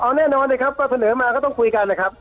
เอาแน่นอนนะครับก็เสนอมาก็ต้องคุยกันนะครับ